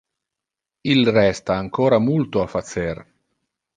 Il resta ancora multo a facer.